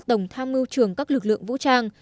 tổng tham mưu trưởng các lực lượng vũ trang